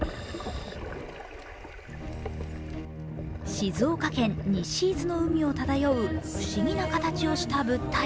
静岡県西伊豆の海を漂う不思議な形をした物体。